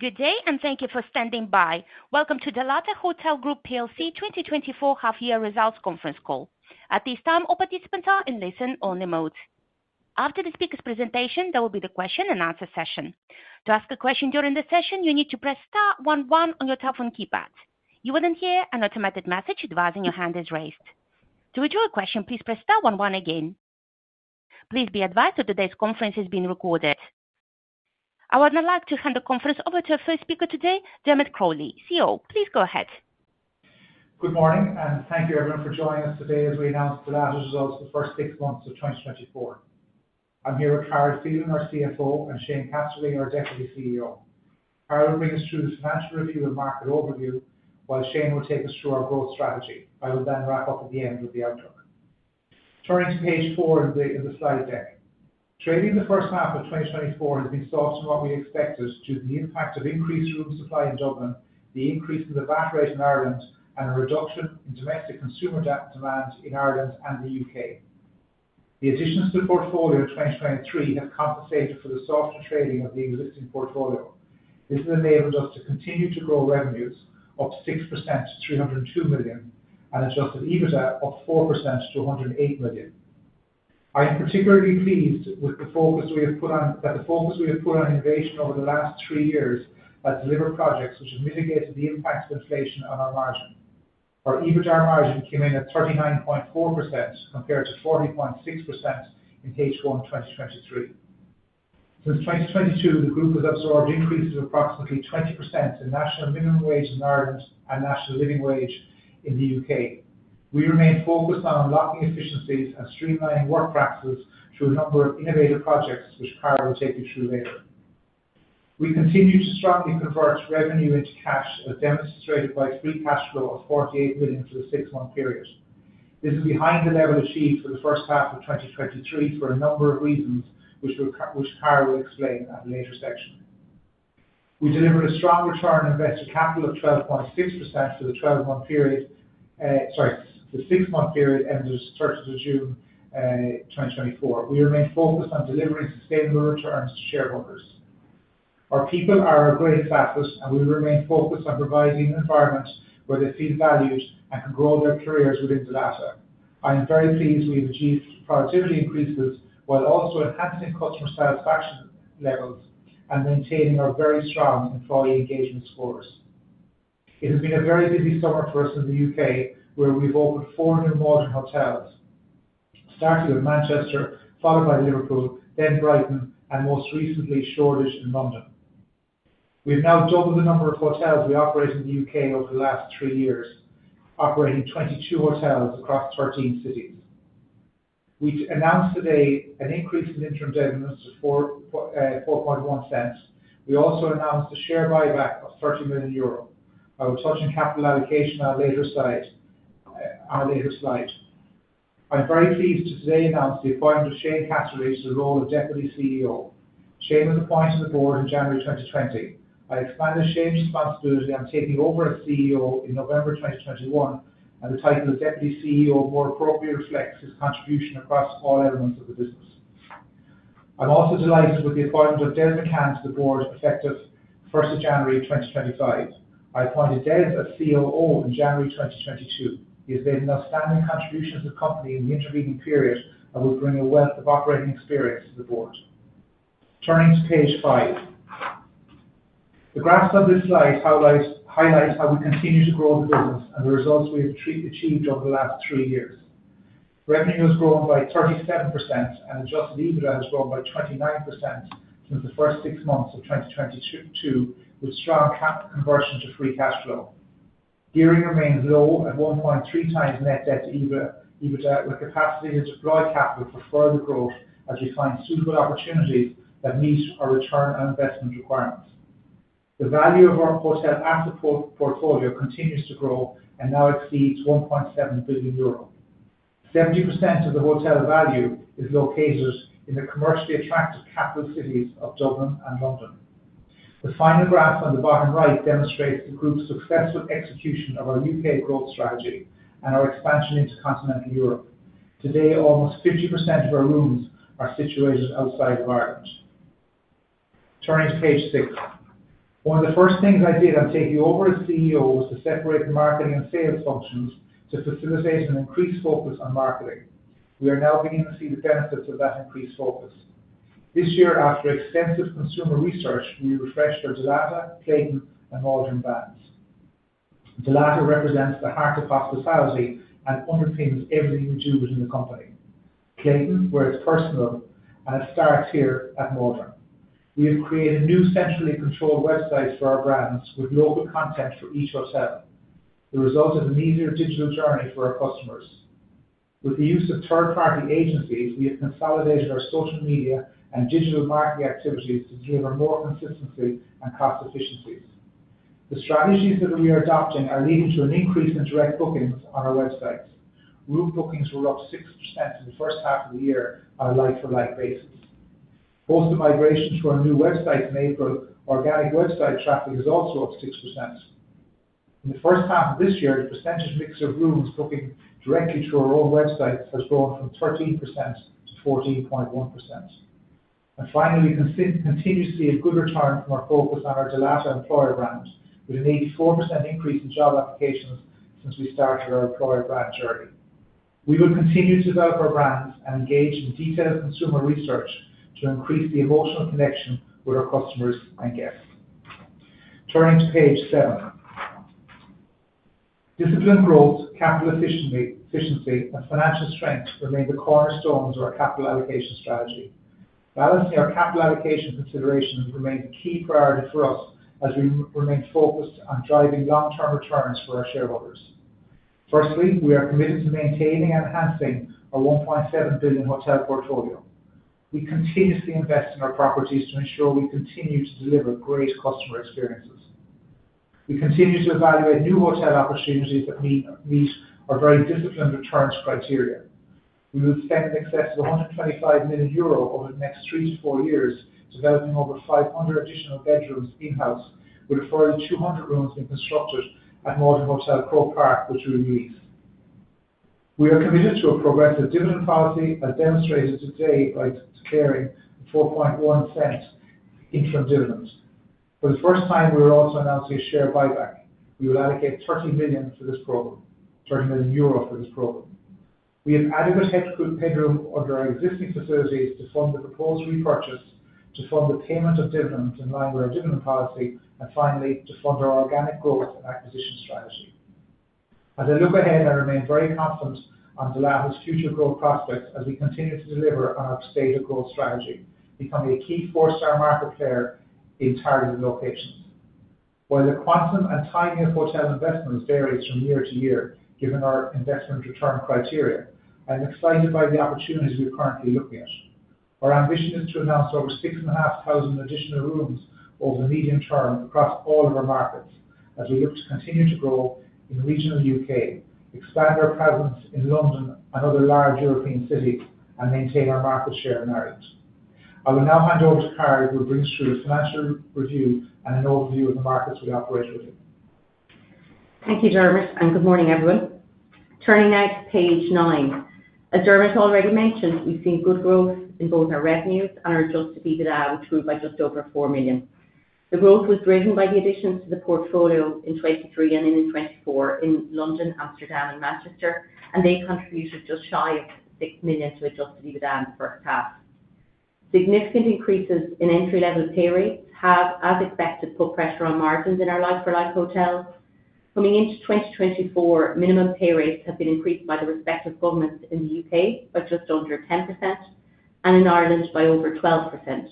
Good day, and thank you for standing by. Welcome to Dalata Hotel Group PLC 2024 half-year results conference call. At this time, all participants are in listen-only mode. After the speaker's presentation, there will be the question and answer session. To ask a question during the session, you need to press star one one on your telephone keypad. You will then hear an automated message advising your hand is raised. To withdraw your question, please press star one one again. Please be advised that today's conference is being recorded. I would now like to hand the conference over to our first speaker today, Dermot Crowley, CEO. Please go ahead. Good morning, and thank you, everyone, for joining us today as we announce Dalata's results for the first six months of 2024. I'm here with Carol Phelan, our CFO, and Shane Casserly, our Deputy CEO. Carol will bring us through the financial review and market overview, while Shane will take us through our growth strategy. I will then wrap up at the end with the outlook. Turning to page four in the slide deck. Trading in the first half of 2024 has been softer than what we expected due to the impact of increased room supply in Dublin, the increase in the VAT rate in Ireland, and a reduction in domestic consumer demand in Ireland and the U.K.. The additions to the portfolio in 2023 have compensated for the softer trading of the existing portfolio. This has enabled us to continue to grow revenues up 6% to 302 million and Adjusted EBITDA up 4% to 108 million. I am particularly pleased with the focus we have put on innovation over the last three years has delivered projects which have mitigated the impacts of inflation on our margin. Our EBITDA margin came in at 39.4%, compared to 40.6% in H1 2023. Since 2022, the group has absorbed increases of approximately 20% in National Minimum Wage in Ireland and National Living Wage in the U.K.. We remain focused on unlocking efficiencies and streamlining work practices through a number of innovative projects, which Carol will take you through later. We continue to strongly convert revenue into cash, as demonstrated by free cash flow of 48 million for the six-month period. This is behind the level achieved for the first half of 2023 for a number of reasons, which Carol will explain at a later section. We delivered a strong return on invested capital of 12.6% for the 12-month period, the six-month period ended the 13th of June, 2024. We remain focused on delivering sustainable returns to shareholders. Our people are our greatest asset, and we remain focused on providing an environment where they feel valued and can grow their careers within Dalata. I am very pleased we have achieved productivity increases while also enhancing customer satisfaction levels and maintaining our very strong employee engagement scores. It has been a very busy summer for us in the U.K., where we've opened four new Maldron Hotels, starting with Manchester, followed by Liverpool, then Brighton, and most recently, Shoreditch in London. We've now doubled the number of hotels we operate in the U.K. over the last three years, operating 22 hotels across 13 cities. We've announced today an increase in interim dividends to 0.041. We also announced a share buyback of 30 million euro. I will touch on capital allocation on a later slide. I'm very pleased to today announce the appointment of Shane Casserly to the role of Deputy CEO. Shane was appointed to the board in January 2020. I expanded Shane's responsibility on taking over as CEO in November 2021, and the title of Deputy CEO more appropriately reflects his contribution across all elements of the business. I'm also delighted with the appointment of Des McCann to the board, effective January 1st, 2025. I appointed Des as COO in January 2022. He has made an outstanding contribution to the company in the intervening period and will bring a wealth of operating experience to the board. Turning to page five. The graphs on this slide highlights how we continue to grow the business and the results we have achieved over the last three years. Revenue has grown by 37%, and adjusted EBITDA has grown by 29% since the first six months of 2022, with strong cash conversion to free cash flow. Gearing remains low at 1.3 times net debt to EBITDA, with capacity to deploy capital for further growth as we find suitable opportunities that meet our return on investment requirements. The value of our hotel asset portfolio continues to grow and now exceeds 1.7 billion euros. 70% of the hotel value is located in the commercially attractive capital cities of Dublin and London. The final graph on the bottom right demonstrates the group's successful execution of our U.K. growth strategy and our expansion into Continental Europe. Today, almost 50% of our rooms are situated outside of Ireland. Turning to page six. One of the first things I did on taking over as CEO was to separate the marketing and sales functions to facilitate an increased focus on marketing. We are now beginning to see the benefits of that increased focus. This year, after extensive consumer research, we refreshed our Dalata, Clayton, and Maldron brands. Dalata represents the heart of hospitality and underpins everything we do within the company. Clayton, where it's personal, and it starts here at Maldron. We have created new centrally controlled websites for our brands with local content for each hotel. The result is an easier digital journey for our customers. With the use of third-party agencies, we have consolidated our social media and digital marketing activities to deliver more consistency and cost efficiencies. The strategies that we are adopting are leading to an increase in direct bookings on our websites. Room bookings were up 6% in the first half of the year on a like-for-like basis. Post the migration to our new website in April, organic website traffic is also up 6%. In the first half of this year, the percentage mix of rooms booking directly to our own website has grown from 13% to 14.1%. And finally, we continuously see a good return from our focus on our Dalata Employer Brand, with an 84% increase in job applications since we started our employer brand journey. We will continue to develop our brands and engage in detailed consumer research to increase the emotional connection with our customers and guests. Turning to page seven. Disciplined growth, capital efficiency, efficiency, and financial strength remain the cornerstones of our capital allocation strategy. Balancing our capital allocation considerations remain a key priority for us as we remain focused on driving long-term returns for our shareholders. Firstly, we are committed to maintaining and enhancing our 1.7 billion hotel portfolio. We continuously invest in our properties to ensure we continue to deliver great customer experiences. We continue to evaluate new hotel opportunities that meet our very disciplined returns criteria. We will spend in excess of 125 million euro over the next 3-4 years, developing over 500 additional bedrooms in-house, with a further 200 rooms being constructed at Maldron Hotel Croke Park, which we lease. We are committed to a progressive dividend policy, as demonstrated today by declaring 4.1 cent interim dividend. For the first time, we are also announcing a share buyback. We will allocate 30 million to this program, 30 million euro for this program. We have adequate headroom under our existing facilities to fund the proposed repurchase, to fund the payment of dividends in line with our dividend policy, and finally, to fund our organic growth and acquisition strategy. As I look ahead, I remain very confident on Dalata's future growth prospects as we continue to deliver on our stated growth strategy, becoming a key four-star market player in targeted locations. While the quantum and timing of hotel investments varies from year to year, given our investment return criteria, I'm excited by the opportunities we are currently looking at. Our ambition is to announce over 6,500 additional rooms over the medium term across all of our markets, as we look to continue to grow in the regional U.K., expand our presence in London and other large European cities, and maintain our market share in Ireland. I will now hand over to Carol, who will bring us through a financial review and an overview of the markets we operate within. Thank you, Dermot, and good morning, everyone. Turning now to page nine. As Dermot already mentioned, we've seen good growth in both our revenues and our adjusted EBITDA, which grew by just over 4 million. The growth was driven by the additions to the portfolio in 2023 and in 2024 in London, Amsterdam, and Manchester, and they contributed just shy of 6 million to adjusted EBITDA in the first half. Significant increases in entry-level pay rates have, as expected, put pressure on margins in our like-for-like hotels. Coming into 2024, minimum pay rates have been increased by the respective governments in the U.K. by just under 10% and in Ireland by over 12%.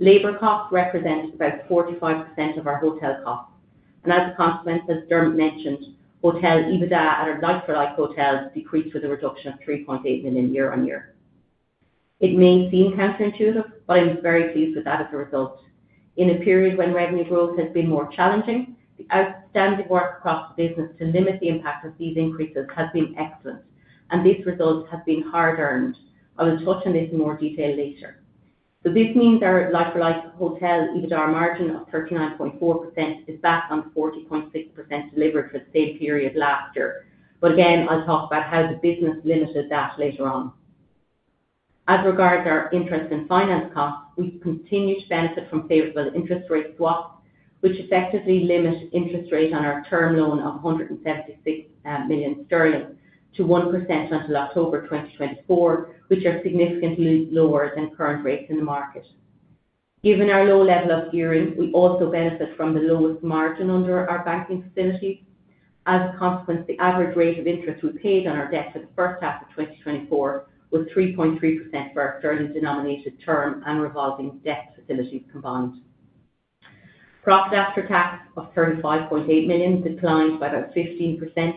Labor costs represent about 45% of our hotel costs, and as a consequence, as Dermot mentioned, hotel EBITDA at our like-for-like hotels decreased with a reduction of 3.8 million year-on-year. It may seem counterintuitive, but I'm very pleased with that as a result. In a period when revenue growth has been more challenging, the outstanding work across the business to limit the impact of these increases has been excellent, and these results have been hard-earned. I will touch on this in more detail later. So this means our like-for-like hotel EBITDA margin of 39.4% is back on 40.6% delivered for the same period last year. But again, I'll talk about how the business limited that later on. As regards our interest and finance costs, we've continued to benefit from favorable interest rate swaps, which effectively limit interest rates on our term loan of 176 million sterling to 1% until October 2024, which are significantly lower than current rates in the market. Given our low level of gearing, we also benefit from the lowest margin under our banking facility. As a consequence, the average rate of interest we paid on our debt for the first half of 2024 was 3.3% for our sterling-denominated term and revolving debt facilities combined. Profits after tax of 35.8 million declined by about 15%,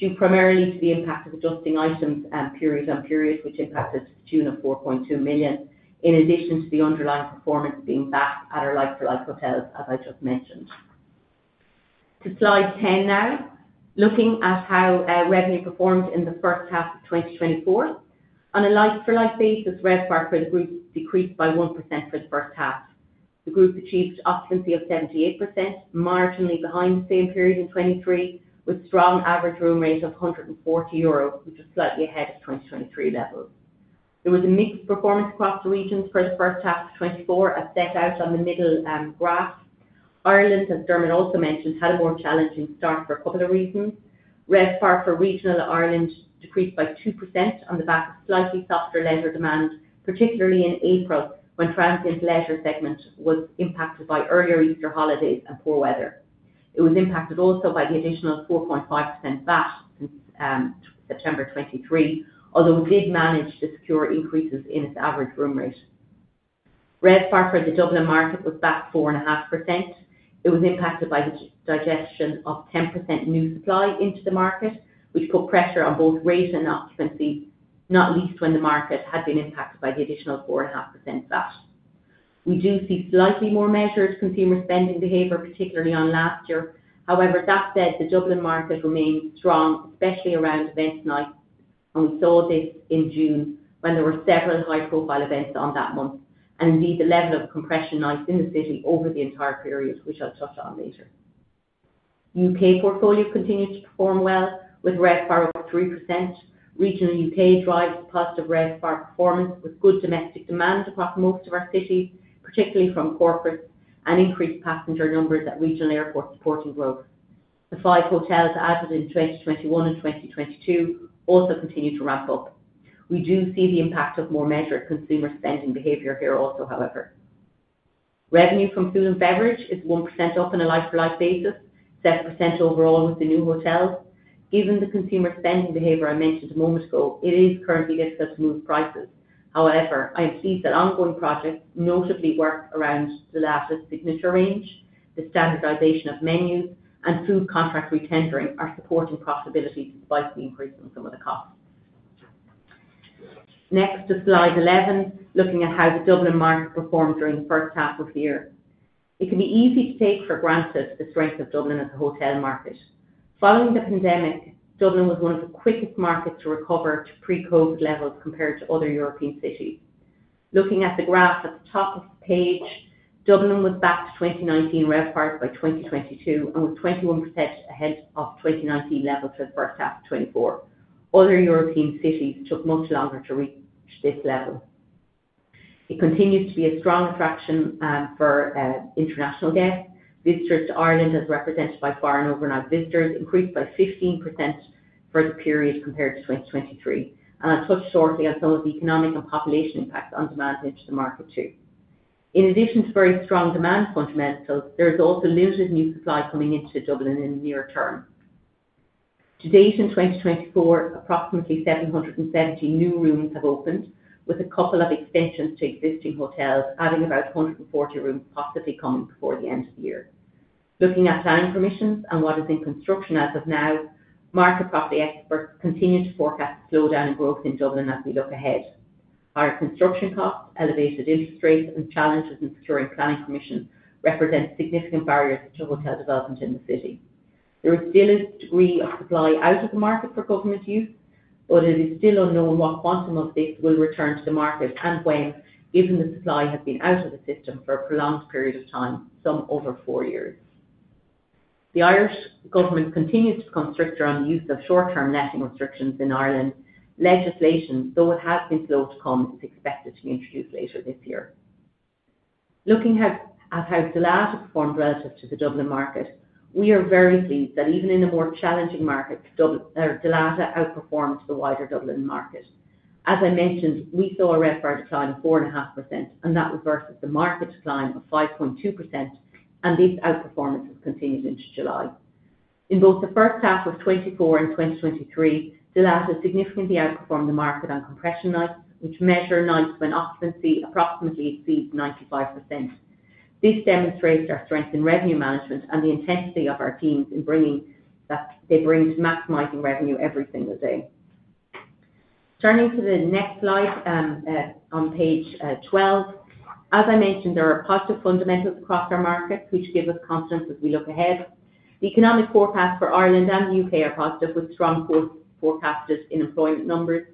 due primarily to the impact of adjusting items and period-on-period, which impacted to the tune of 4.2 million, in addition to the underlying performance being back at our like-for-like hotels, as I just mentioned. To slide ten now. Looking at how revenue performed in the first half of 2024. On a like-for-like basis, RevPAR for the group decreased by 1% for the first half. The group achieved occupancy of 78%, marginally behind the same period in 2023, with strong average room rates of 140 euros, which is slightly ahead of 2023 levels. There was a mixed performance across the regions for the first half of 2024, as set out on the middle graph. Ireland, as Dermot also mentioned, had a more challenging start for a couple of reasons. RevPAR for regional Ireland decreased by 2% on the back of slightly softer leisure demand, particularly in April, when transient leisure segment was impacted by earlier Easter holidays and poor weather. It was impacted also by the additional 4.5% VAT since September 2023, although we did manage to secure increases in its average room rate. RevPAR for the Dublin market was back 4.5%. It was impacted by the digestion of 10% new supply into the market, which put pressure on both rate and occupancy, not least when the market had been impacted by the additional 4.5% VAT. We do see slightly more measured consumer spending behavior, particularly on last year. However, that said, the Dublin market remains strong, especially around event nights... And we saw this in June, when there were several high-profile events on that month, and indeed, the level of compression nights in the city over the entire period, which I'll touch on later. U.K. portfolio continued to perform well, with RevPAR up 3%. Regional U.K. drives positive RevPAR performance, with good domestic demand across most of our cities, particularly from corporate and increased passenger numbers at regional airports supporting growth. The five hotels added in 2021 and 2022 also continue to ramp up. We do see the impact of more measured consumer spending behavior here also, however. Revenue from food and beverage is 1% up on a like-for-like basis, 7% overall with the new hotels. Given the consumer spending behavior I mentioned a moment ago, it is currently difficult to move prices. However, I am pleased that ongoing projects, notably work around the latest Signature Range, the standardization of menus, and food contract retendering, are supporting profitability despite the increase in some of the costs. Next, to slide 11, looking at how the Dublin market performed during the first half of the year. It can be easy to take for granted the strength of Dublin as a hotel market. Following the pandemic, Dublin was one of the quickest markets to recover to pre-COVID levels compared to other European cities. Looking at the graph at the top of the page, Dublin was back to 2019 RevPAR by 2022, and was 21% ahead of 2019 levels for the first half of 2024. Other European cities took much longer to reach this level. It continues to be a strong attraction for international guests. Visitors to Ireland, as represented by foreign overnight visitors, increased by 15% for the period compared to 2023, and I'll touch shortly on some of the economic and population impacts on demand into the market, too. In addition to very strong demand fundamentals, there is also limited new supply coming into Dublin in the near term. To date, in 2024, approximately 770 new rooms have opened, with a couple of extensions to existing hotels, adding about 140 rooms, possibly coming before the end of the year. Looking at planning permissions and what is in construction as of now, market property experts continue to forecast a slowdown in growth in Dublin as we look ahead. Higher construction costs, elevated interest rates, and challenges in securing planning permission represents significant barriers to hotel development in the city. There is still a degree of supply out of the market for government use, but it is still unknown what quantum of this will return to the market and when, given the supply has been out of the system for a prolonged period of time, some over four years. The Irish government continues to come stricter on the use of short-term letting restrictions in Ireland. Legislation, though it has been slow to come, is expected to be introduced later this year. Looking at how Dalata performed relative to the Dublin market, we are very pleased that even in a more challenging market, Dalata outperformed the wider Dublin market. As I mentioned, we saw a RevPAR decline of 4.5%, and that was versus the market decline of 5.2%, and this outperformance has continued into July. In both the first half of 2024 and 2023, Dalata significantly outperformed the market on compression nights, which measure nights when occupancy approximately exceeds 95%. This demonstrates our strength in revenue management and the intensity of our teams in bringing that they bring to maximizing revenue every single day. Turning to the next slide, on page 12. As I mentioned, there are positive fundamentals across our markets, which give us confidence as we look ahead. The economic forecast for Ireland and the U.K. are positive, with strong forecasts in employment numbers.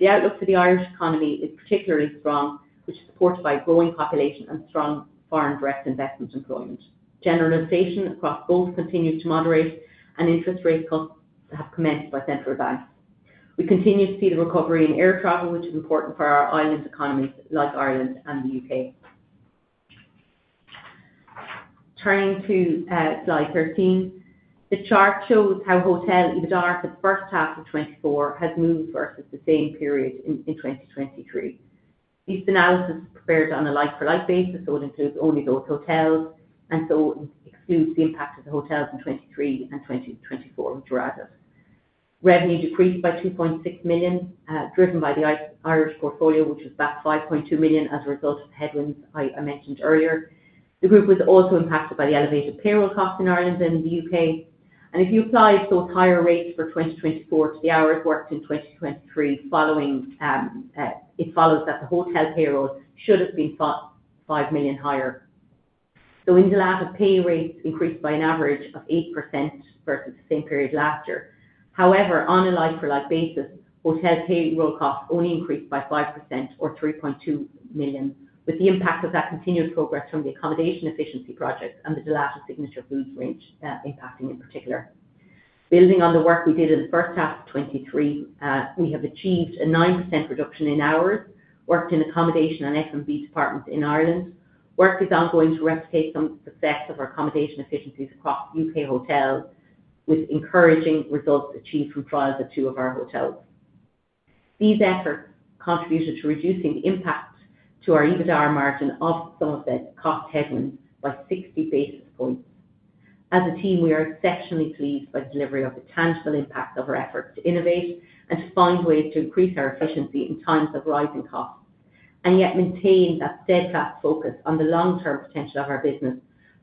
The outlook for the Irish economy is particularly strong, which is supported by a growing population and strong foreign direct investment employment. Inflation across both continues to moderate, and interest rate cuts have commenced by central banks. We continue to see the recovery in air travel, which is important for our island economies like Ireland and the U.K.. Turning to slide 13. The chart shows how hotel EBITDA for the first half of 2024 has moved versus the same period in 2023. These analyses are prepared on a like-for-like basis, so it includes only those hotels, and so excludes the impact of the hotels in 2023 and 2024, which were added. Revenue decreased by 2.6 million, driven by the Irish portfolio, which was back 5.2 million as a result of the headwinds I mentioned earlier. The group was also impacted by the elevated payroll costs in Ireland and the U.K.. And if you applied those higher rates for 2024 to the hours worked in 2023, it follows that the hotel payroll should have been 5 million higher. So in Dalata, pay rates increased by an average of 8% versus the same period last year. However, on a like-for-like basis, hotel payroll costs only increased by 5% or 3.2 million, with the impact of that continuous progress from the accommodation efficiency project and the Dalata Signature Range, impacting in particular. Building on the work we did in the first half of 2023, we have achieved a 9% reduction in hours worked in accommodation and F&B departments in Ireland. Work is ongoing to replicate some success of our accommodation efficiencies across U.K. hotels, with encouraging results achieved from trials at two of our hotels. These efforts contributed to reducing the impact to our EBITDA margin of some of the cost headwinds by sixty basis points. As a team, we are exceptionally pleased by the delivery of the tangible impact of our efforts to innovate and to find ways to increase our efficiency in times of rising costs, and yet maintain that steadfast focus on the long-term potential of our business,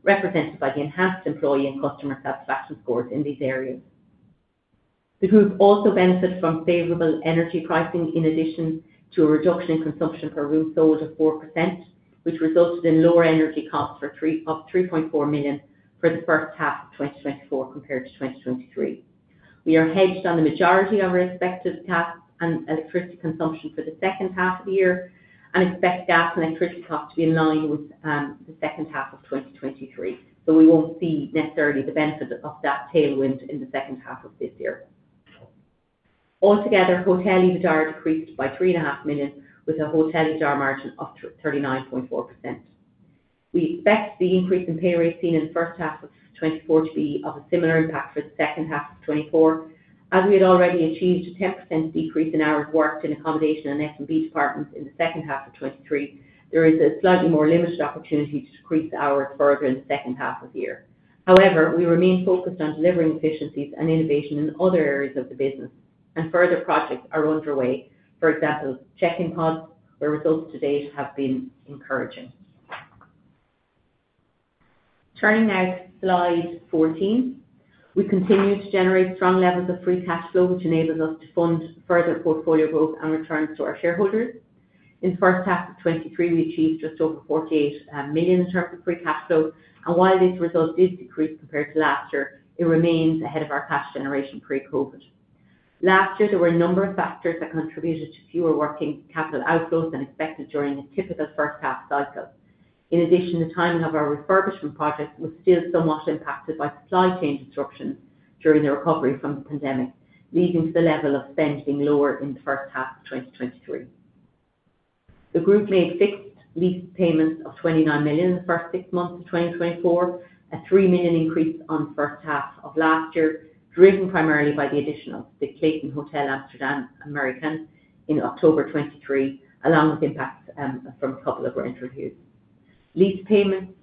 represented by the enhanced employee and customer satisfaction scores in these areas. The group also benefits from favorable energy pricing, in addition to a reduction in consumption per room sold of 4%, which resulted in lower energy costs of 3.4 million for the first half of 2024 compared to 2023. We are hedged on the majority of our expected gas and electricity consumption for the second half of the year, and expect gas and electricity costs to be in line with the second half of 2023. So we won't see necessarily the benefit of that tailwind in the second half of this year. Altogether, hotel EBITDA decreased by 3.5 million, with a hotel EBITDA margin of 39.4%. We expect the increase in pay rates seen in the first half of 2024 to be of a similar impact for the second half of 2024. As we had already achieved a 10% decrease in hours worked in accommodation and F&B departments in the second half of 2023, there is a slightly more limited opportunity to decrease the hours further in the second half of the year. However, we remain focused on delivering efficiencies and innovation in other areas of the business, and further projects are underway. For example, check-in pods, where results to date have been encouraging. Turning now to Slide 14. We continue to generate strong levels of free cash flow, which enables us to fund further portfolio growth and returns to our shareholders. In the first half of 2023, we achieved just over 48 million in terms of free cash flow, and while this result did decrease compared to last year, it remains ahead of our cash generation pre-COVID. Last year, there were a number of factors that contributed to fewer working capital outflows than expected during a typical first half cycle. In addition, the timing of our refurbishment project was still somewhat impacted by supply chain disruptions during the recovery from the pandemic, leading to the level of spend being lower in the first half of 2023. The group made fixed lease payments of 29 million in the first six months of 2024, a 3 million increase on the first half of last year, driven primarily by the addition of the Clayton Hotel Amsterdam American in October 2023, along with impacts from a couple of our leases. Lease payments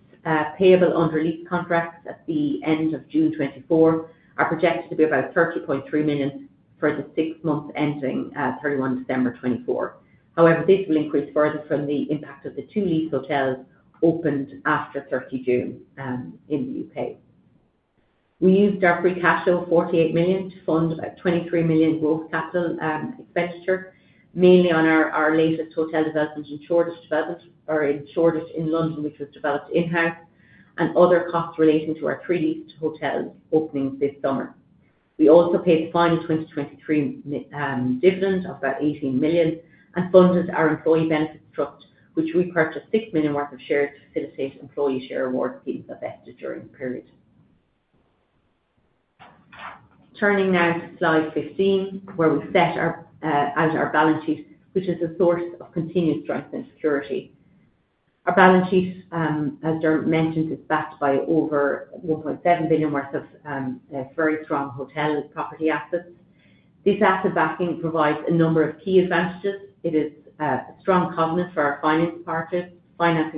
payable under lease contracts at the end of June 2024 are projected to be about 30.3 million for the six months ending at 31 December 2024. However, this will increase further from the impact of the two lease hotels opened after 30 June, in the U.K.. We used our free cash flow, 48 million, to fund about 23 million growth capital expenditure, mainly on our latest hotel developments in Shoreditch in London, which was developed in-house, and other costs relating to our three leased hotels opening this summer. We also paid the final 2023 dividend of about 18 million, and funded our Employee Benefit Trust, which repurchased 6 million worth of shares to facilitate employee share award schemes vested during the period. Turning now to slide 15, where we set out our balance sheet, which is a source of continued strength and security. Our balance sheet, as Dermot mentioned, is backed by over 1.7 billion worth of very strong hotel and property assets. This asset backing provides a number of key advantages. It is a strong covenant for our financing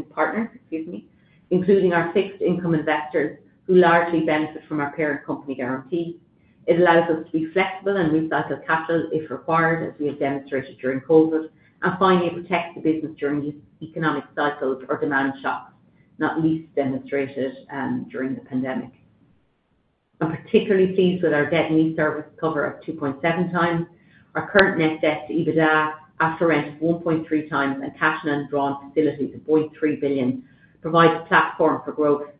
partners, excuse me, including our fixed income investors, who largely benefit from our parent company guarantee. It allows us to be flexible and recycle capital if required, as we have demonstrated during COVID. And finally, it protects the business during economic cycles or demand shocks, not least demonstrated during the pandemic. I'm particularly pleased with our debt and lease service cover of 2.7 times. Our current net debt to EBITDA after rent of 1.3 times, and cash and undrawn facilities of 0.3 billion, provides a platform for growth.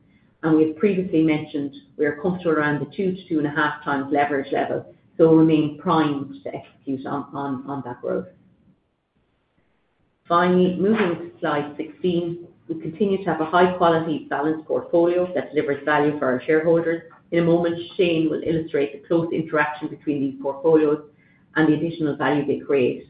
And we have previously mentioned, we are comfortable around the 2-2.5 times leverage level, so we remain primed to execute on that growth. Finally, moving to slide 16. We continue to have a high-quality, balanced portfolio that delivers value for our shareholders. In a moment, Shane will illustrate the close interaction between these portfolios and the additional value they create.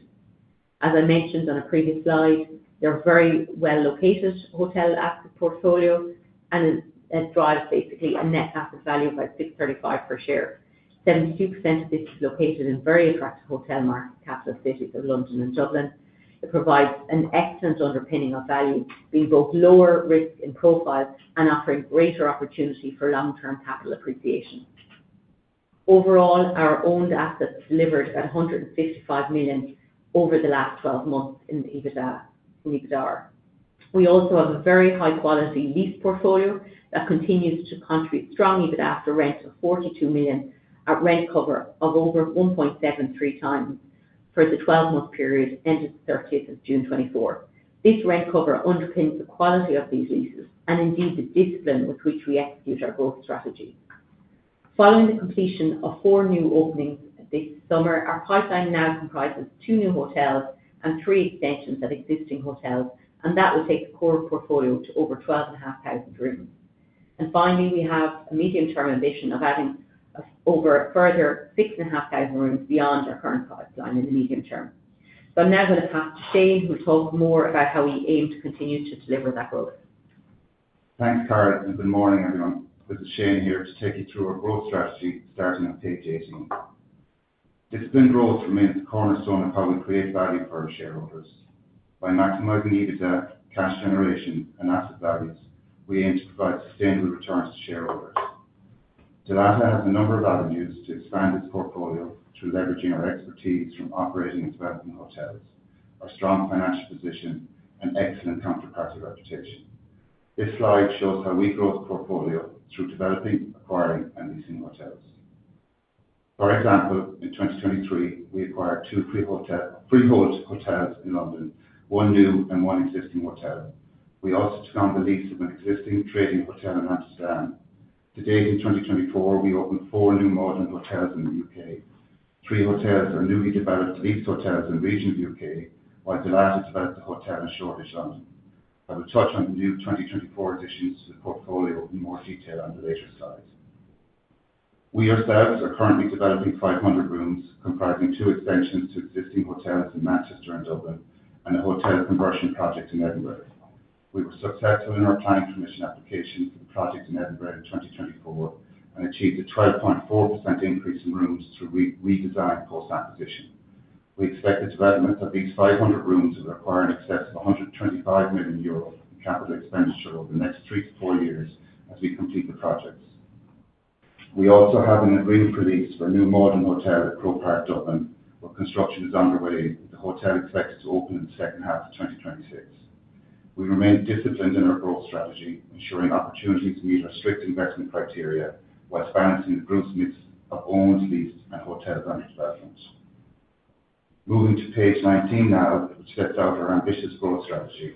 As I mentioned on a previous slide, they're a very well-located hotel asset portfolio, and it drives basically a net asset value of about 6.35 per share. 72% of this is located in very attractive hotel markets, capital cities of London and Dublin. It provides an excellent underpinning of value, being both lower risk and profile, and offering greater opportunity for long-term capital appreciation. Overall, our owned assets delivered 155 million over the last 12 months in the EBITDA. We also have a very high-quality lease portfolio that continues to contribute strong EBITDA after rent of 42 million, at rent cover of over 1.73 times for the 12-month period ending the 30th of June 2024. This rent cover underpins the quality of these leases and, indeed, the discipline with which we execute our growth strategy. Following the completion of 4 new openings this summer, our pipeline now comprises two new hotels and three extensions at existing hotels, and that will take the core portfolio to over 12,500 rooms. Finally, we have a medium-term ambition of adding over a further 6,500 rooms beyond our current pipeline in the medium term. I'm now going to pass to Shane, who will talk more about how we aim to continue to deliver that growth. Thanks, Carol, and good morning, everyone. This is Shane here to take you through our growth strategy, starting on page 18. Disciplined growth remains the cornerstone of how we create value for our shareholders. By maximizing EBITDA, cash generation, and asset values, we aim to provide sustainable returns to shareholders. Dalata has a number of avenues to expand its portfolio through leveraging our expertise from operating and developing hotels, our strong financial position, and excellent counterparty reputation. This slide shows how we grow the portfolio through developing, acquiring, and leasing hotels. For example, in 2023, we acquired two freehold hotels in London, one new and one existing hotel. We also took on the lease of an existing trading hotel in Amsterdam. To date, in 2024, we opened four new Maldron Hotels in the U.K.. Three hotels are newly developed leased hotels in regional U.K., while the last is about the hotel in Shoreditch, London. I will touch on the new 2024 additions to the portfolio in more detail on the later slides. We ourselves are currently developing 500 rooms, comprising two extensions to existing hotels in Manchester and Dublin, and a hotel conversion project in Edinburgh. We were successful in our planning permission application for the project in Edinburgh in 2024, and achieved a 12.4% increase in rooms through redesign, post-acquisition. We expect the development of these 500 rooms to require in excess of 125 million euros in capital expenditure over the next 3-4 years as we complete the projects. We also have an agreement for lease for a new Maldron hotel at Croke Park, Dublin, where construction is underway, with the hotel expected to open in the second half of 2026. We remain disciplined in our growth strategy, ensuring opportunities meet our strict investment criteria, while balancing the growth mix of owned, leased, and hotel-managed developments. Moving to page 19 now, which sets out our ambitious growth strategy.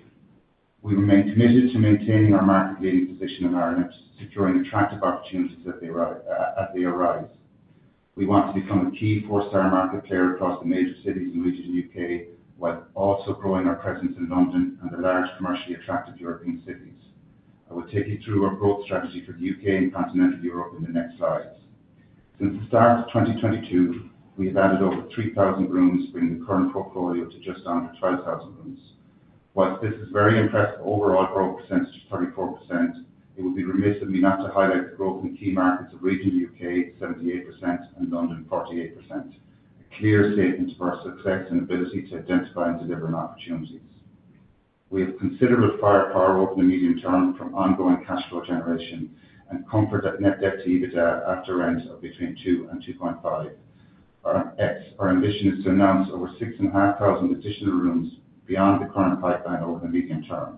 We remain committed to maintaining our market-leading position in Ireland, securing attractive opportunities as they arise. We want to become a key four-star market player across the major cities and regional U.K., while also growing our presence in London and the large, commercially attractive European cities. I will take you through our growth strategy for the U.K. and Continental Europe in the next slides. Since the start of 2022, we have added over three thousand rooms, bringing the current portfolio to just under twelve thousand rooms. While this is very impressive, overall growth percentage is 34%, it would be remiss of me not to highlight the growth in the key markets of regional U.K., 78%, and London, 48%. A clear statement for our success and ability to identify and deliver on opportunities. We have considerable firepower over the medium term from ongoing cash flow generation, and comfort that net debt to EBITDA after rent are between two and 2.5. Our ambition is to announce over 6,500 additional rooms beyond the current pipeline over the medium term.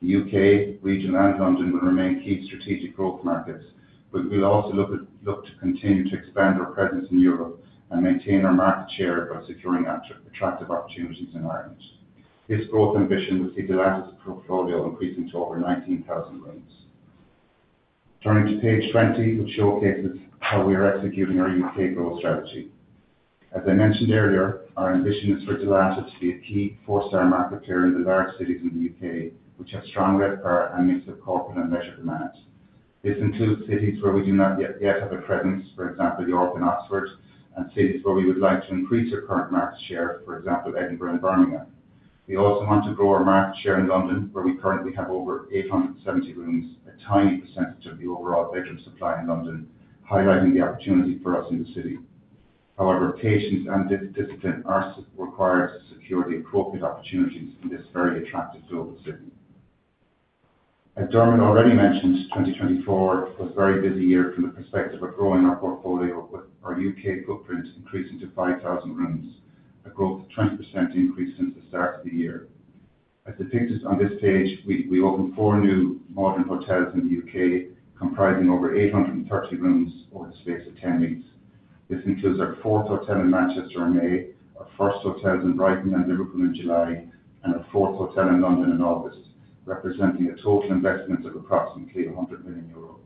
The U.K. region and London will remain key strategic growth markets, but we'll also look to continue to expand our presence in Europe and maintain our market share by securing attractive opportunities in Ireland. This growth ambition will see Dalata's portfolio increasing to over 19,000 rooms. Turning to page 20, which showcases how we are executing our U.K. growth strategy. As I mentioned earlier, our ambition is for Dalata to be a key four-star market player in the large cities in the U.K., which have strong rate power and mix of corporate and leisure demands. This includes cities where we do not yet have a presence, for example, York and Oxford, and cities where we would like to increase our current market share, for example, Edinburgh and Birmingham. We also want to grow our market share in London, where we currently have over 870 rooms, a tiny percentage of the overall bedroom supply in London, highlighting the opportunity for us in the city. However, patience and discipline are required to secure the appropriate opportunities in this very attractive global city. As Dermot already mentioned, 2024 was a very busy year from the perspective of growing our portfolio, with our U.K. footprint increasing to 5,000 rooms, a growth of 20% increase since the start of the year. As depicted on this page, we opened four new Maldron Hotels in the U.K., comprising over 830 rooms across ten cities. This includes our fourth hotel in Manchester in May, our first hotels in Brighton and Liverpool in July, and a fourth hotel in London in August, representing a total investment of approximately 100 million euros.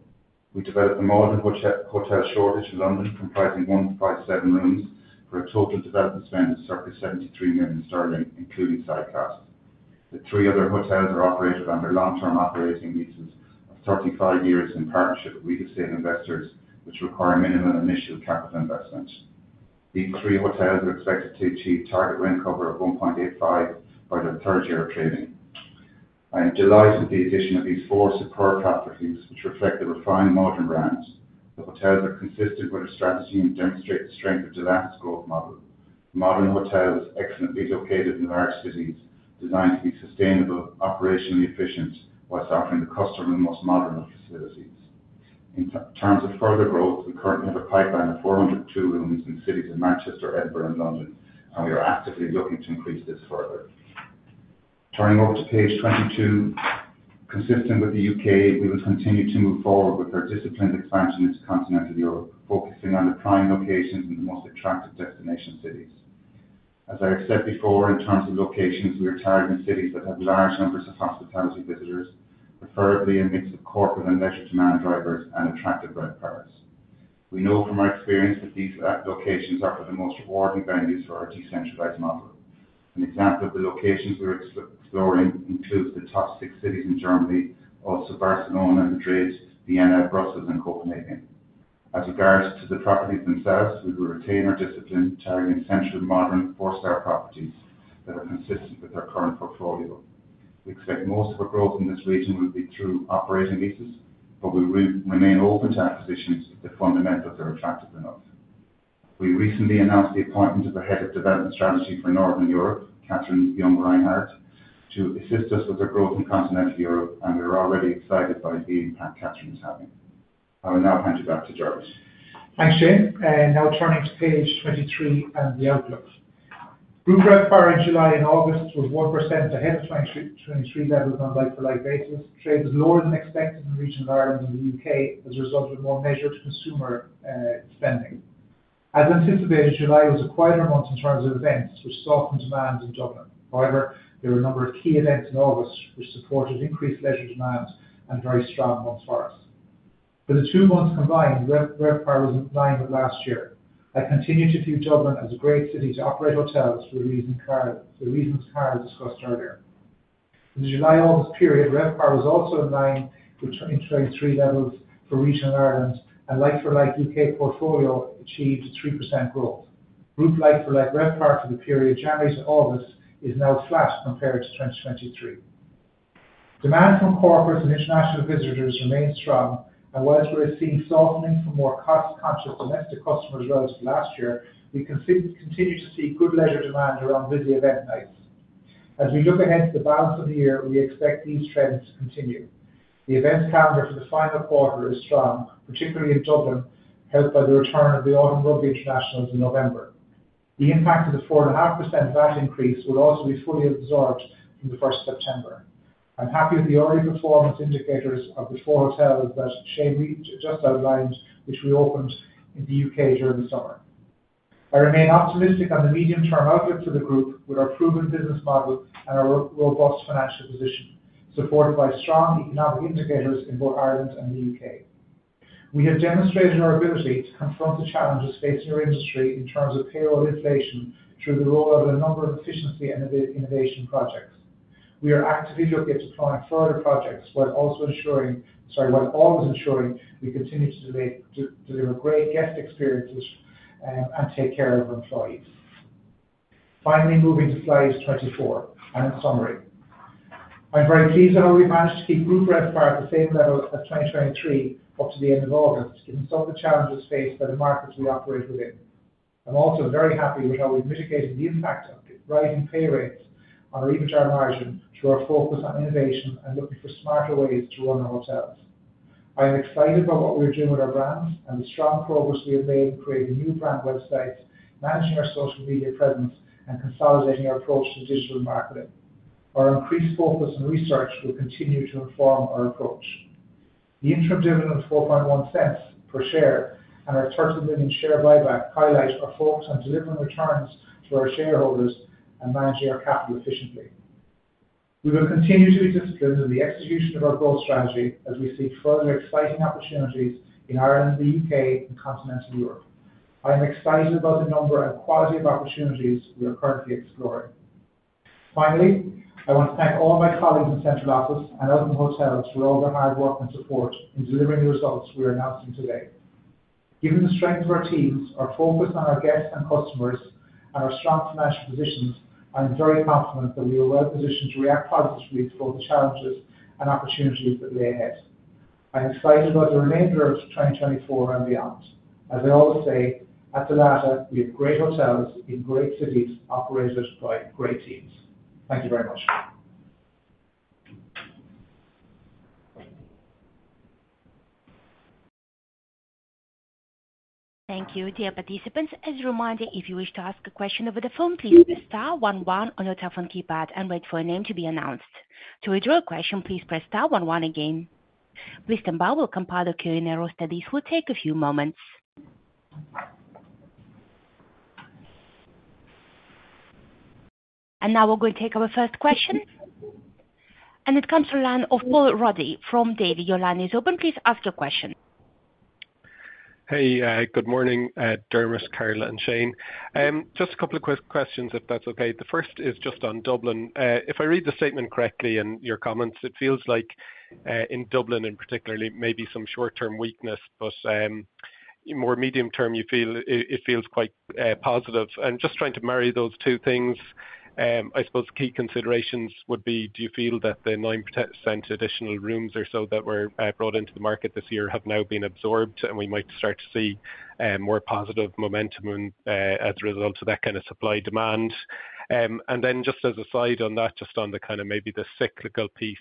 We developed a Maldron Hotel, Shoreditch in London, comprising 157 rooms for a total development spend of circa 73 million sterling, including site costs. The three other hotels are operated under long-term operating leases of 35 years in partnership with estate investors, which require minimum initial capital investment. These three hotels are expected to achieve target rent cover of 1.85 by the third year of trading. I am delighted with the addition of these four superb properties, which reflect the refined Maldron brands. The hotels are consistent with our strategy and demonstrate the strength of Dalata's growth model. Maldron hotels, excellently located in large cities, designed to be sustainable, operationally efficient, while offering the customer the most modern of facilities. In terms of further growth, we currently have a pipeline of 402 rooms in cities of Manchester, Edinburgh, and London, and we are actively looking to increase this further. Turning over to page 22. Consistent with the U.K., we will continue to move forward with our disciplined expansion into Continental Europe, focusing on the prime locations in the most attractive destination cities. As I said before, in terms of locations, we are targeting cities that have large numbers of hospitality visitors, preferably in mix of corporate and leisure demand drivers and attractive growth paths. We know from our experience that these locations offer the most rewarding values for our decentralized model. An example of the locations we're exploring includes the top six cities in Germany, also Barcelona, Madrid, Vienna, Brussels, and Copenhagen. As regards to the properties themselves, we will retain our discipline, targeting central, modern, four-star properties that are consistent with our current portfolio. We expect most of our growth in this region will be through operating leases, but we remain open to acquisitions if the fundamentals are attractive enough. We recently announced the appointment of a head of development strategy for Northern Europe, Kathrin Jung-Reinhard, to assist us with our growth in Continental Europe, and we're already excited by the impact Kathrin is having. I will now hand you back to Dermot. Thanks, Shane, and now turning to page twenty-three and the outlook. Group RevPAR in July and August was 1% ahead of 2023 levels on like-for-like basis. Trade was lower than expected in the region of Ireland and the U.K. as a result of more measured consumer spending. As anticipated, July was a quieter month in terms of events, which softened demand in Dublin. However, there were a number of key events in August, which supported increased leisure demands and very strong months for us. For the two months combined, RevPAR was in line with last year. I continue to view Dublin as a great city to operate hotels for the reasons Carol discussed earlier. In the July, August period, RevPAR was also in line with 2023 levels for regional Ireland, and like-for-like U.K. portfolio achieved a 3% growth. Group like-for-like RevPAR for the period January to August is now flat compared to 2023. Demand from corporates and international visitors remains strong, and while we're seeing softening from more cost-conscious domestic customers relative to last year, we continue to see good leisure demand around busy event nights. As we look ahead to the balance of the year, we expect these trends to continue. The events calendar for the final quarter is strong, particularly in Dublin, helped by the return of the Autumn Rugby Internationals in November. The impact of the 4.5% VAT increase will also be fully absorbed from the first of September. I'm happy with the early performance indicators of the four hotels that Shane just outlined, which we opened in the U.K. during the summer. I remain optimistic on the medium-term outlook for the group with our proven business model and our robust financial position, supported by strong economic indicators in both Ireland and the U.K.. We have demonstrated our ability to confront the challenges facing our industry in terms of payroll inflation through the rollout of a number of efficiency and innovation projects. We are actively looking to define further projects while also ensuring, sorry, while always ensuring we continue to deliver great guest experiences and take care of our employees. Finally, moving to slide 24 and summary. I'm very pleased that we've managed to keep group RevPAR at the same level as 2023 up to the end of August, given some of the challenges faced by the markets we operate within. I'm also very happy with how we've mitigated the impact of the rising pay rates on our EBITDA margin through our focus on innovation and looking for smarter ways to run our hotels. I am excited about what we are doing with our brands and the strong progress we have made in creating new brand websites, managing our social media presence, and consolidating our approach to digital marketing. Our increased focus on research will continue to inform our approach. The interim dividend of 0.041 per share and our 30 million share buyback highlight our focus on delivering returns to our shareholders and managing our capital efficiently. We will continue to be disciplined in the execution of our growth strategy as we see further exciting opportunities in Ireland, the U.K., and Continental Europe. I am excited about the number and quality of opportunities we are currently exploring. Finally, I want to thank all my colleagues in central office and out in the hotels for all their hard work and support in delivering the results we are announcing today. Given the strength of our teams, our focus on our guests and customers, and our strong financial positions, I am very confident that we are well positioned to react positively to both the challenges and opportunities that lay ahead. I am excited about the remainder of 2024 and beyond. As I always say, at Dalata, we have great hotels in great cities, operated by great teams. Thank you very much. Thank you, dear participants. As a reminder, if you wish to ask a question over the phone, please press star one one on your telephone keypad and wait for your name to be announced. To withdraw a question, please press star one one again. Please stand by. We'll compile the queuing roster. This will take a few moments. And now we're going to take our first question, and it comes from the line of Paul Ruddy from Davy. Your line is open. Please ask your question. Hey, good morning, Dermot, Carol, and Shane. Just a couple of quick questions, if that's okay. The first is just on Dublin. If I read the statement correctly in your comments, it feels like, in Dublin, in particular, maybe some short-term weakness, but, in more medium term, you feel it, it feels quite positive. I'm just trying to marry those two things. I suppose key considerations would be: Do you feel that the 9% additional rooms or so that were brought into the market this year have now been absorbed, and we might start to see more positive momentum and, as a result of that kind of supply/demand? And then just as a side on that, just on the kinda maybe the cyclical piece,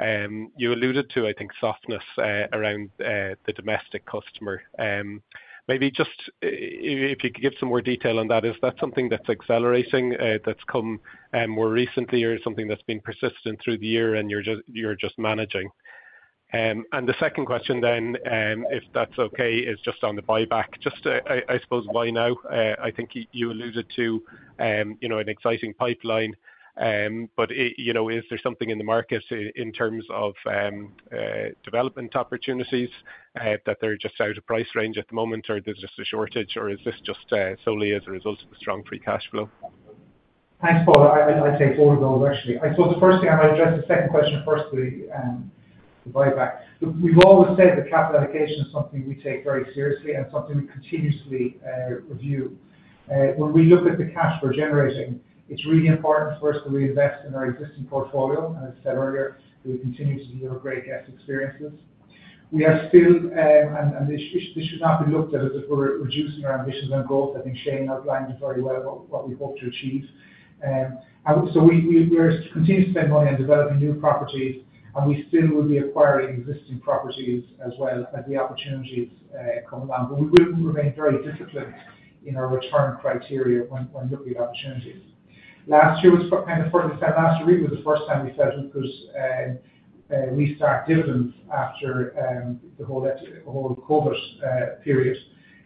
you alluded to, I think, softness around the domestic customer. Maybe just if you could give some more detail on that. Is that something that's accelerating, that's come more recently, or something that's been persistent through the year and you're just managing? And the second question then, if that's okay, is just on the buyback. Just, I suppose why now? I think you alluded to you know, an exciting pipeline. But it you know, is there something in the market in terms of development opportunities that they're just out of price range at the moment, or there's just a shortage, or is this just solely as a result of the strong free cash flow? Thanks, Paul. I'll take both of those, actually. I suppose the first thing, I'm gonna address the second question firstly, the buyback. We've always said that capital allocation is something we take very seriously and something we continuously review. When we look at the cash we're generating, it's really important for us that we invest in our existing portfolio. And as I said earlier, we continue to deliver great guest experiences. We are still, and this should not be looked at as if we're reducing our ambitions and goals. I think Shane outlined it very well, what we hope to achieve, and so we continue to spend money on developing new properties, and we still will be acquiring existing properties as well as the opportunities come along. But we will remain very disciplined in our return criteria when looking at opportunities. Last year was kind of first time, last year really was the first time we said we could restart dividends after the whole COVID period.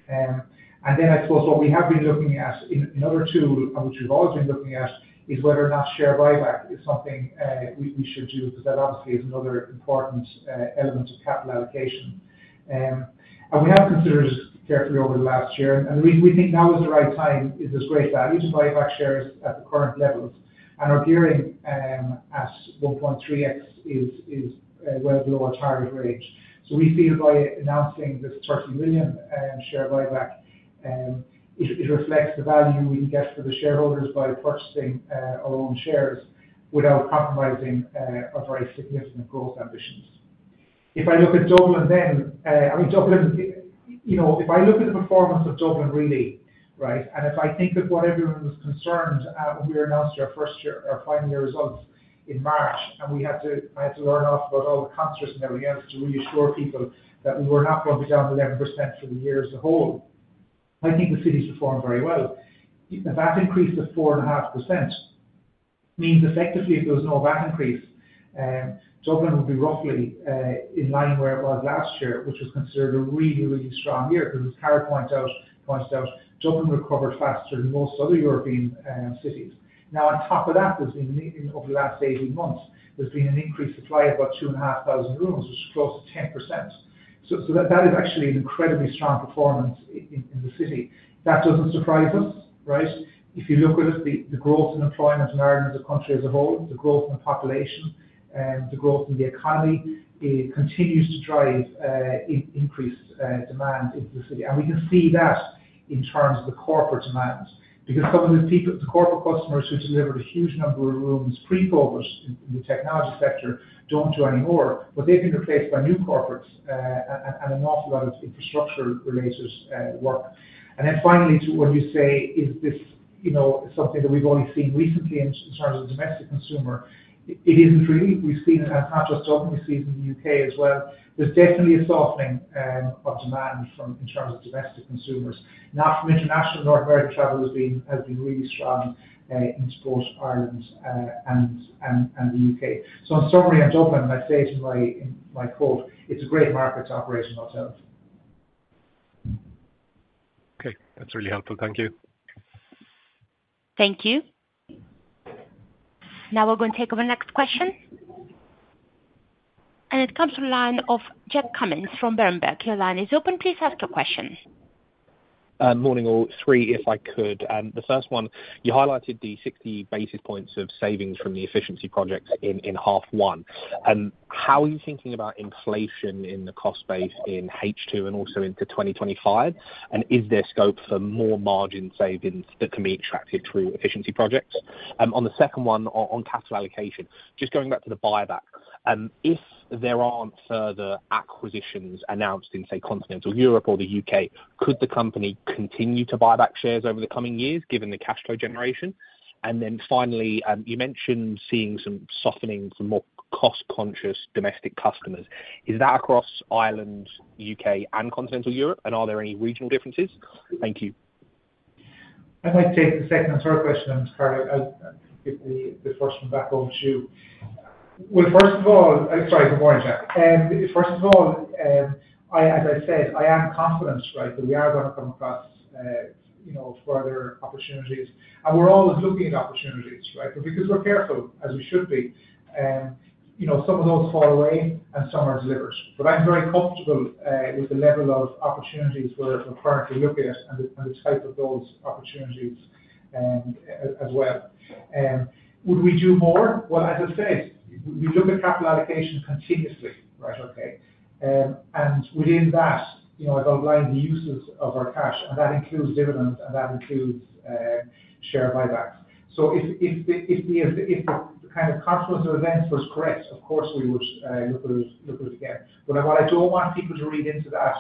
And then I suppose what we have been looking at in the other two, and which we've always been looking at, is whether or not share buyback is something we should do, because that obviously is another important element of capital allocation. And we have considered carefully over the last year, and we think now is the right time. It is great value to buy back shares at the current levels. And our gearing at 1.3x is well below our target range. So we feel by announcing this 30 million share buyback, it reflects the value we can get for the shareholders by purchasing our own shares without compromising our very significant growth ambitions. If I look at Dublin, then, I mean, Dublin, you know, if I look at the performance of Dublin, really, right, and if I think of what everyone was concerned when we announced our first year, our final year results in March, and we had to I had to learn off about all the contracts and everything else to reassure people that we were not going to be down 11% for the year as a whole. I think the city's performed very well. The VAT increase of 4.5% means effectively, if there was no VAT increase, Dublin would be roughly in line where it was last year, which was considered a really, really strong year. Because as Carol pointed out, Dublin recovered faster than most other European cities. Now, on top of that, there's been, over the last 18 months, an increased supply of about 2,500 rooms, which is close to 10%. So that is actually an incredibly strong performance in the city. That doesn't surprise us, right? If you look with us, the growth in employment in Ireland, as a country as a whole, the growth in the population, the growth in the economy, it continues to drive increased demand into the city. We can see that in terms of the corporate demand, because some of the people, the corporate customers who delivered a huge number of rooms pre-COVID in the technology sector, don't do anymore, but they've been replaced by new corporates, and an awful lot of infrastructure-related work. Then finally, to what you say, is this something that we've only seen recently in terms of the domestic consumer? It isn't really. We've seen it, and not just Dublin, we've seen it in the U.K. as well. There's definitely a softening of demand in terms of domestic consumers. Now, from international, North American travel has been really strong in both Ireland and the U.K.. In summary, on Dublin, I say, in my quote, "It's a great market to operate in hotels. Okay, that's really helpful. Thank you. Thank you. Now we're going to take our next question, and it comes from the line of Jack Cummings from Berenberg. Your line is open. Please ask your question. Morning, all three, if I could. The first one, you highlighted the 60 basis points of savings from the efficiency projects in half one. How are you thinking about inflation in the cost base in H2 and also into 2025? And is there scope for more margin savings that can be extracted through efficiency projects? On the second one, on capital allocation, just going back to the buyback. If there aren't further acquisitions announced in, say, Continental Europe or the U.K., could the company continue to buy back shares over the coming years, given the cash flow generation? And then finally, you mentioned seeing some softening from more cost-conscious domestic customers. Is that across Ireland, U.K., and Continental Europe, and are there any regional differences? Thank you. I'd like to take the second and third question, and Carol, I'll give the first one back over to you. Well, first of all, sorry, good morning, Jack. First of all, as I said, I am confident, right, that we are going to come across, you know, further opportunities. And we're always looking at opportunities, right? But because we're careful, as we should be, you know, some of those fall away and some are delivered. But I'm very comfortable, with the level of opportunities we're currently looking at and the type of those opportunities, as well. Would we do more? Well, as I said, we look at capital allocation continuously, right, okay? And within that, you know, I've outlined the uses of our cash, and that includes dividends, and that includes, share buybacks. So if the kind of confluence of events was correct, of course, we would look at it again. But what I don't want people to read into that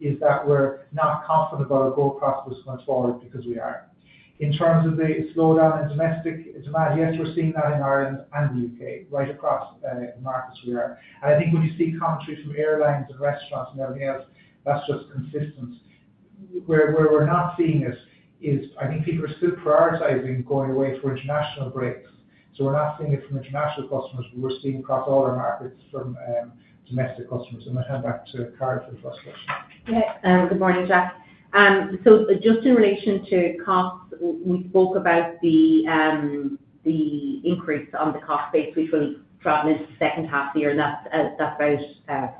is that we're not confident about our growth process going forward, because we are. In terms of the slowdown in domestic demand, yes, we're seeing that in Ireland and the U.K., right across markets we are. And I think when you see commentary from airlines and restaurants and everything else, that's just consistent. Where we're not seeing it is, I think people are still prioritizing going away for international breaks. So we're not seeing it from international customers, but we're seeing across all our markets from domestic customers. And I'll hand back to Carol for the first question. Yeah, good morning, Jack. So just in relation to costs, we spoke about the increase on the cost base, which will travel into the second half of the year, and that's about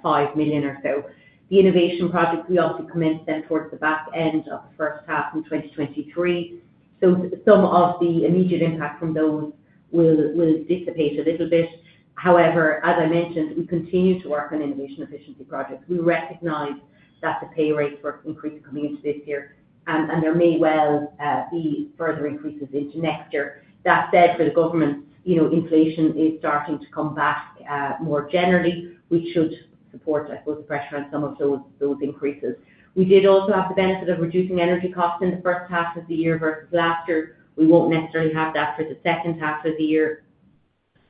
5 million or so. The innovation project, we also commenced then towards the back end of the first half in 2023. So some of the immediate impact from those will dissipate a little bit. However, as I mentioned, we continue to work on innovation efficiency projects. We recognize that the pay rates were increased coming into this year, and there may well be further increases into next year. That said, for the government, you know, inflation is starting to come back more generally, which should support, I suppose, the pressure on some of those increases. We did also have the benefit of reducing energy costs in the first half of the year versus last year. We won't necessarily have that for the second half of the year,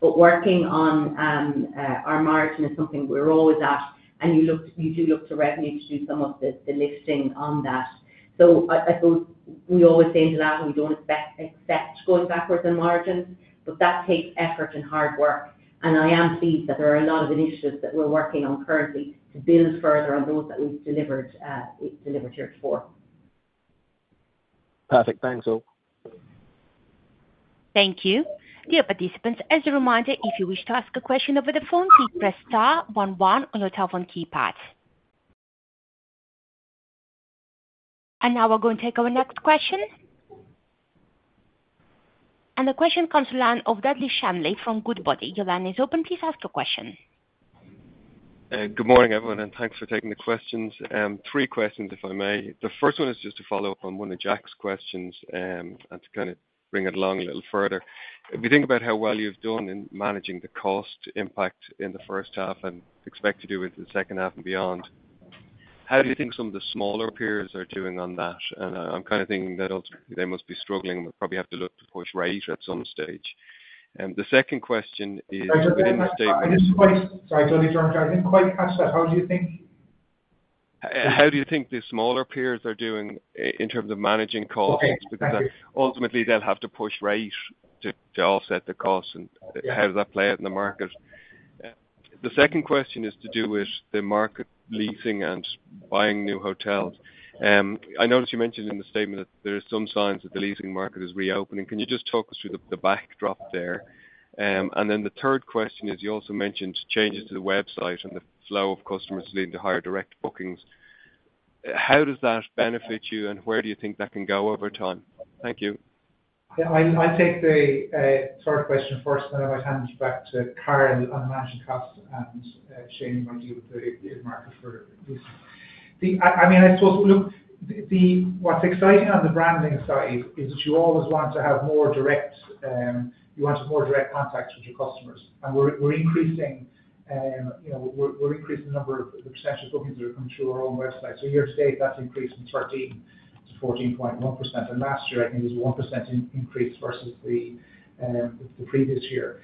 but working on our margin is something we're always at, and you look, you do look to revenue to do some of the lifting on that. So I suppose we always say into that, we don't expect going backwards on margins, but that takes effort and hard work. And I am pleased that there are a lot of initiatives that we're working on currently to build further on those that we've delivered here before. Perfect. Thanks all. Thank you. Dear participants, as a reminder, if you wish to ask a question over the phone, please press star one one on your telephone keypad. And now we're going to take our next question. And the question comes from the line of Dudley Shanley from Goodbody. Your line is open. Please ask your question. Good morning, everyone, and thanks for taking the questions. Three questions, if I may. The first one is just to follow up on one of Jack's questions, and to kind of bring it along a little further. If you think about how well you've done in managing the cost impact in the first half and expect to do with the second half and beyond, how do you think some of the smaller peers are doing on that? And, I'm kind of thinking that ultimately they must be struggling and would probably have to look to push rate at some stage. The second question is- Sorry, Dudley, I didn't quite catch that. How do you think? How do you think the smaller peers are doing in terms of managing costs? Okay. Thank you. Because ultimately, they'll have to push rate to offset the costs and- Yeah. How does that play out in the market? The second question is to do with the market leasing and buying new hotels. I noticed you mentioned in the statement that there are some signs that the leasing market is reopening. Can you just talk us through the backdrop there? And then the third question is, you also mentioned changes to the website and the flow of customers leading to higher direct bookings. How does that benefit you, and where do you think that can go over time? Thank you. Yeah, I'll take the third question first, then I might hand you back to Carol on managing costs, and Shane might deal with the market for this. I mean, I suppose, look, what's exciting on the branding side is that you always want to have more direct, you want more direct contacts with your customers. And we're increasing, you know, we're increasing the number of the potential bookings that are coming through our own website. So year to date, that's increased from 13% to 14.1%, and last year, I think it was 1% increase versus the previous year.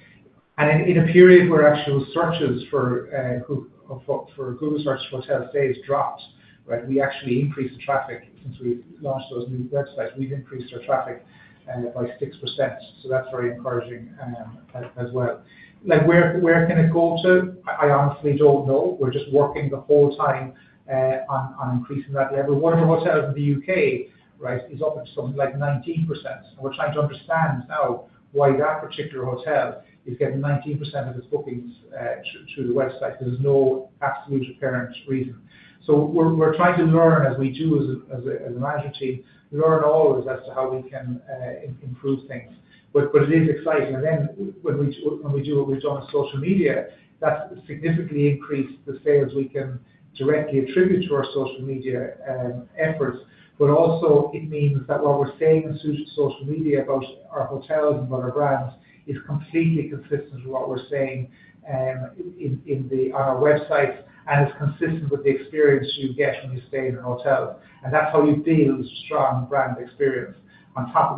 And in a period where actual searches for Google Search for hotel stays dropped, right, we actually increased the traffic. Since we launched those new websites, we've increased our traffic by 6%, so that's very encouraging as well. Now, where can it go to? I honestly don't know. We're just working the whole time on increasing that level. One of the hotels in the U.K., right, is up to something like 19%. We're trying to understand now why that particular hotel is getting 19% of its bookings through the website. There's no absolute apparent reason, so we're trying to learn, as we do, as a management team, learn always as to how we can improve things. But it is exciting, and then when we do what we've done with social media, that's significantly increased the sales we can directly attribute to our social media efforts. But also, it means that what we're saying in social media about our hotels and about our brands is completely consistent with what we're saying in on our websites, and it's consistent with the experience you get when you stay in a hotel. And that's how you build strong brand experience. On top of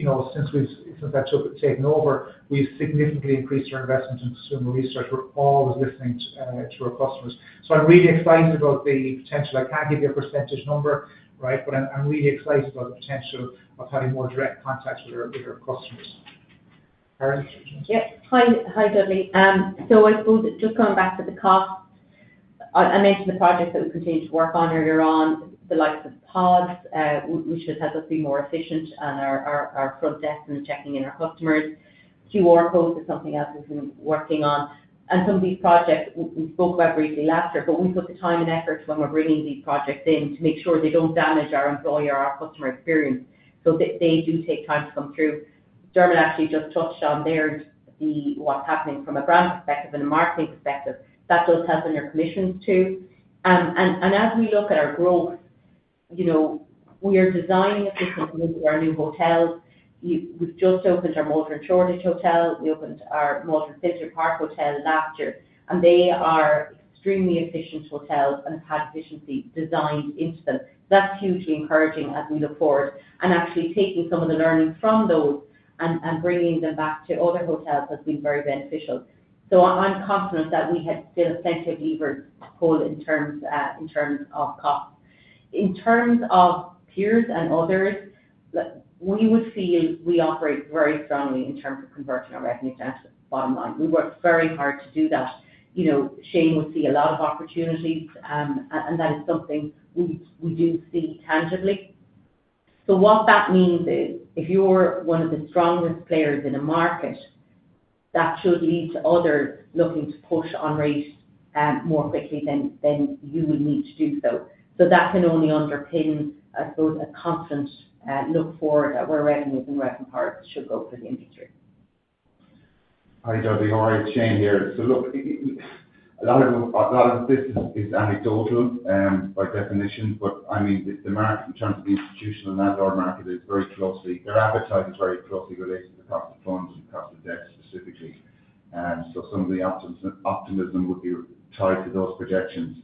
that, you know, since I've taken over, we've significantly increased our investment in consumer research. We're always listening to our customers. So I'm really excited about the potential. I can't give you a percentage number, right, but I'm really excited about the potential of having more direct contacts with our customers. Carol? Yeah. Hi, hi, Dudley. So I suppose just coming back to the cost, I mentioned the projects that we continued to work on earlier on, the likes of pods. Which would help us be more efficient on our front desk and checking in our customers. QR code is something else we've been working on. And some of these projects we spoke about briefly last year, but we put the time and effort when we're bringing these projects in to make sure they don't damage our employer or our customer experience, so they do take time to come through. Dermot actually just touched on there, what's happening from a brand perspective and a marketing perspective. That does help in your commissions, too. And as we look at our growth, you know, we are designing a system into our new hotels. We, we've just opened our Maldron Hotel Shoreditch. We opened our Maldron Hotel Finsbury Park last year, and they are extremely efficient hotels and have had efficiency designed into them. That's hugely encouraging as we look forward. Actually, taking some of the learnings from those and bringing them back to other hotels has been very beneficial. I, I'm confident that we have still effective levers to pull in terms of costs. In terms of peers and others, we would feel we operate very strongly in terms of converting our revenue down to the bottom line. We work very hard to do that. You know, Shane would see a lot of opportunities, and that is something we do see tangibly. So what that means is, if you're one of the strongest players in a market, that should lead to others looking to push on rate more quickly than you would need to do so. So that can only underpin, I suppose, a constant look forward at where revenues and RevPAR should go for the industry. Hi, Dudley. How are you? Shane here. So look, a lot of this is anecdotal by definition, but I mean, the market in terms of the institutional and landlord market is very closely. Their appetite is very closely related to the cost of funds and cost of debt specifically. And so some of the optimism would be tied to those projections.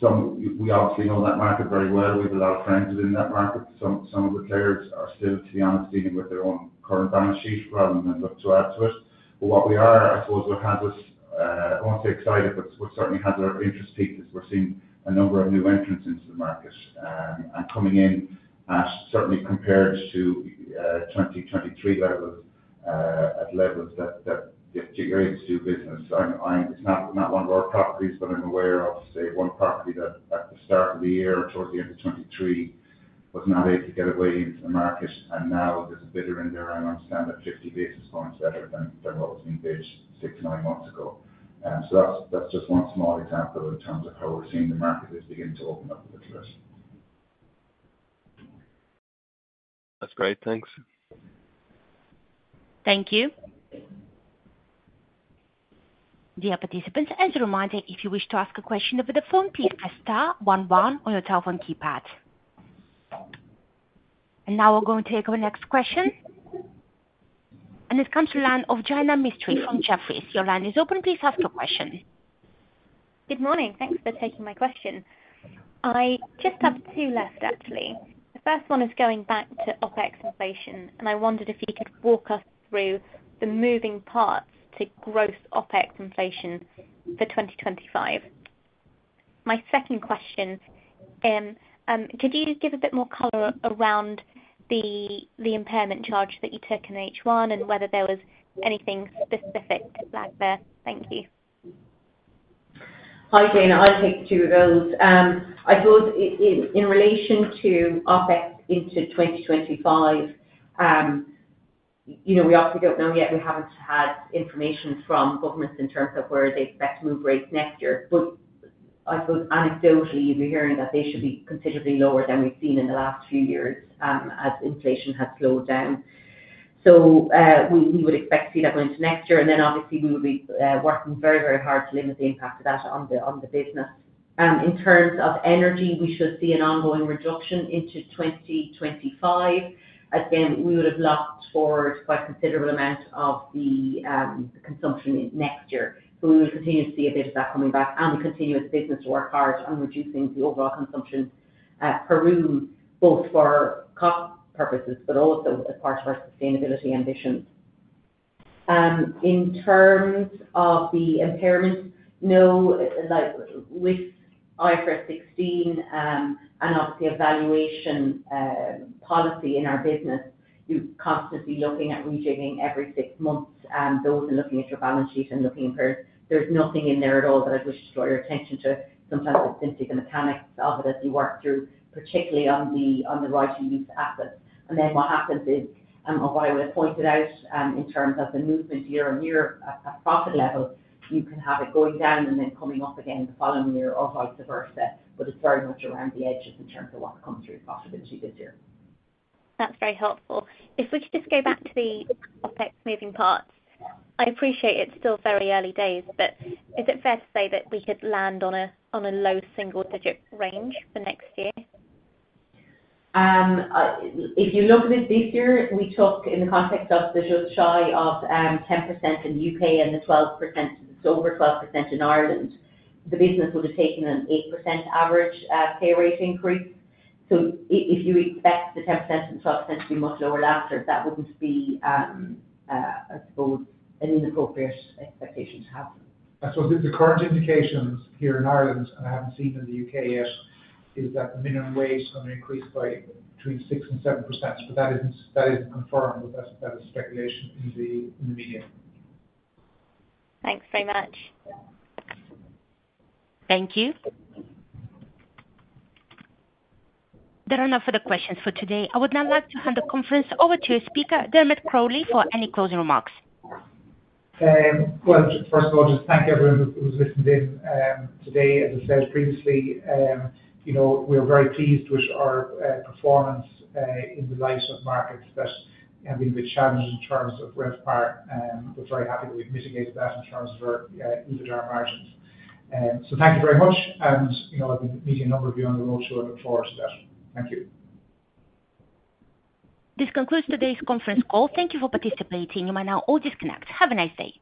So we obviously know that market very well. We've a lot of friends in that market. Some of the players are still, to be honest with you, with their own current balance sheet rather than look to add to it. But what we are, I suppose, what has us, I won't say excited, but what certainly has our interest piqued, is we're seeing a number of new entrants into the market. And coming in, certainly compared to 2023 levels, at levels that they're eager to do business. It's not one of our properties, but I'm aware of, say, one property that at the start of the year, towards the end of 2023, was not able to get a way into the market, and now there's a bidder in there, I understand, at 50 basis points better than what was engaged six, nine months ago. So that's just one small example in terms of how we're seeing the market is beginning to open up a little bit. That's great. Thanks. Thank you. Dear participants, as a reminder, if you wish to ask a question over the phone, please press star one one on your telephone keypad. And now we're going to take our next question, and it comes to the line of Jaina Mistry from Jefferies. Your line is open. Please ask your question. Good morning. Thanks for taking my question. I just have two left, actually. The first one is going back to OpEx inflation, and I wondered if you could walk us through the moving parts to gross OpEx inflation for 2025. My second question, could you just give a bit more color around the impairment charge that you took in H1, and whether there was anything specific to that there? Thank you. Hi, Kean. I'll take two of those. I suppose in relation to OpEx into 2025, you know, we obviously don't know yet. We haven't had information from governments in terms of where they expect to move rates next year. But I suppose anecdotally, you'll be hearing that they should be considerably lower than we've seen in the last few years, as inflation has slowed down. So, we would expect to see that going into next year, and then obviously we will be working very, very hard to limit the impact of that on the business. In terms of energy, we should see an ongoing reduction into 2025. Again, we would have locked forward quite a considerable amount of the consumption in next year. But we will continue to see a bit of that coming back and we continue as a business to work hard on reducing the overall consumption, per room, both for cost purposes, but also as part of our sustainability ambitions. In terms of the impairments, no, like with IFRS 16, and obviously valuation policy in our business, you're constantly looking at rejigging every six months, those and looking at your balance sheet and looking for. There's nothing in there at all that I wish to draw your attention to. Sometimes it's simply the mechanics of it as you work through, particularly on the right-of-use assets. And then what happens is, or what I would have pointed out, in terms of the movement year-on-year at profit level, you can have it going down and then coming up again the following year or vice versa, but it's very much around the edges in terms of what comes through possibly this year. That's very helpful. If we could just go back to the OpEx moving parts. I appreciate it's still very early days, but is it fair to say that we could land on a low single digit range for next year? If you look at it this year, we took, in the context of the just shy of, 10% in U.K. and the 12%, so over 12% in Ireland, the business would have taken an 8% average, pay rate increase. So if you expect the 10% and 12% to be much lower, that wouldn't be, I suppose, an inappropriate expectation to have. And so the current indications here in Ireland, and I haven't seen in the U.K. yet, is that the minimum wage is going to increase by between 6% and 7%. But that isn't confirmed, but that's speculation in the media. Thanks very much. Thank you. There are no further questions for today. I would now like to hand the conference over to speaker, Dermot Crowley, for any closing remarks. Well, first of all, just thank everyone who, who's listened in, today. As I said previously, you know, we are very pleased with our performance, in the likes of markets that have been a bit challenged in terms of RevPAR, and we're very happy that we've mitigated that in terms of our EBITDA margins. So thank you very much, and, you know, I'll be meeting a number of you on the road show. I look forward to that. Thank you. This concludes today's conference call. Thank you for participating. You may now all disconnect. Have a nice day.